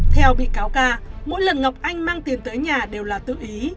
theo bị cáo ca mỗi lần ngọc anh mang tiền tới nhà đều là tự ý